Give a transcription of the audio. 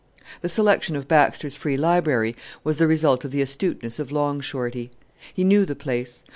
The selection of Baxter's Free Library was the result of the astuteness of Long Shorty. He knew the place.